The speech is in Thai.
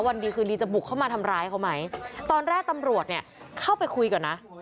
วันดีคืนดีจะบุกเข้ามาทำร้ายเขาไหมตอนแรกตำรวจเนี่ยเข้าไปคุยก่อนนะ